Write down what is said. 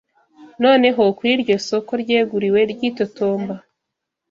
Noneho, kuri iryo soko ryeguriwe Ryitotomba